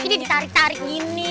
jadi ditarik tarik gini